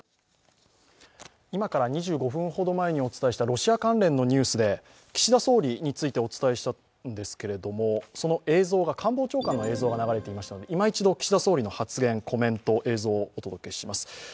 今から２５分ほどまえにお伝えしたロシア関連のニュースで岸田総理についてお伝えしたんですけれどもその映像が官房長官の映像が流れていましたので、いま一度、岸田総理の発言、コメント、映像をお届けします。